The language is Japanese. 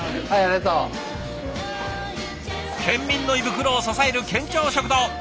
県民の胃袋を支える県庁食堂